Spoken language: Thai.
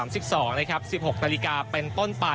ซิบหกนาฬิกาเป็นป้นไป